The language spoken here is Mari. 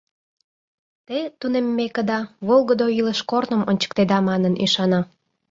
Те, тунеммекыда, волгыдо илыш корным ончыктеда манын ӱшана.